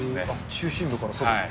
中心部から外に。